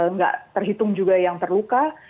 nggak terhitung juga yang terluka